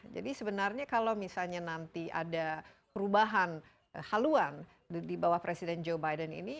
jadi sebenarnya kalau misalnya nanti ada perubahan haluan di bawah presiden joe biden ini